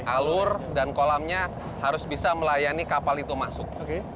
alur dan kolamnya harus bisa melayani kapal itu masuk